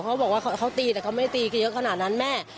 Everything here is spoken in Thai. เขาบอกว่าเขาตีแต่เขาไม่ตีกันเยอะขนาดนั้นแม่